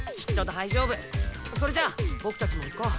それじゃあボクたちも行こう。